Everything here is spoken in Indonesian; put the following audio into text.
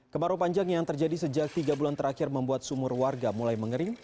kemarau panjang yang terjadi sejak tiga bulan terakhir membuat sumur warga mulai mengering